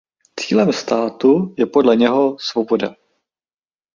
Cílem státu je podle něho svoboda.